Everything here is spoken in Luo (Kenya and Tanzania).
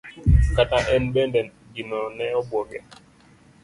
kata en bende gino ne obuoge.